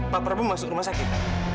pak prabowo masuk rumah sakit